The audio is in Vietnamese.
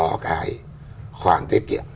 có cái khoản tiết kiệm